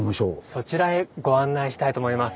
そちらへご案内したいと思います。